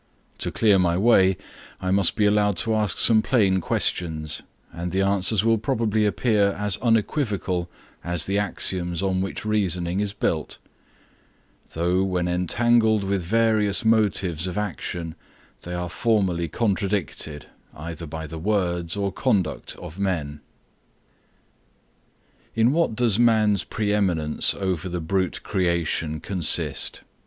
To clear my way, I must be allowed to ask some plain questions, and the answers will probably appear as unequivocal as the axioms on which reasoning is built; though, when entangled with various motives of action, they are formally contradicted, either by the words or conduct of men. In what does man's pre eminence over the brute creation consist?